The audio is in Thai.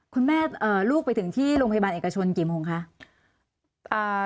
แม่ลูกไปถึงที่โรงพยาบาลเอกชนกี่โมงคะ